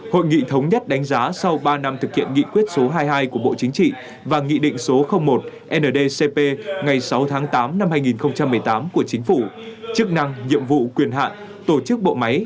hội nghị thống nhất đánh giá sau ba năm thực hiện nghị quyết số hai mươi hai của bộ chính trị và nghị định số một ndcp ngày sáu tháng tám năm hai nghìn một mươi tám của chính phủ chức năng nhiệm vụ quyền hạn tổ chức bộ máy